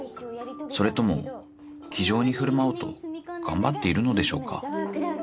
それとも気丈に振る舞おうと頑張っているのでしょうか